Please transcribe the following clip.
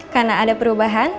karena ada perubahan